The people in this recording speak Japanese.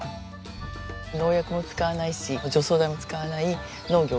農薬も使わないし除草剤も使わない農業。